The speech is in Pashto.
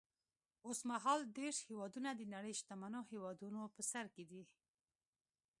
اوس مهال دېرش هېوادونه د نړۍ شتمنو هېوادونو په سر کې دي.